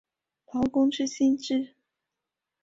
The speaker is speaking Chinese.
劳工之薪资